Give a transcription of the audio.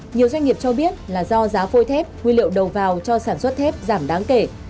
nhiều doanh nghiệp cho biết là do giá phôi thép nguyên liệu đầu vào cho sản xuất thép giảm đáng kể